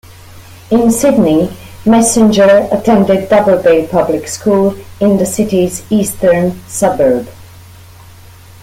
In Sydney, Messenger attended Double Bay Public School in the city's eastern suburbs.